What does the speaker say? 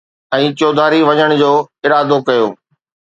۽ چوڌاري وڃڻ جو ارادو ڪيو